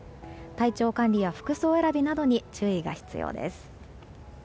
体調管理や服装選びなどに注意が必要です。